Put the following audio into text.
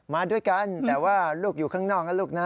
มาด้วยกันแต่ว่าลูกอยู่ข้างนอกนะลูกนะ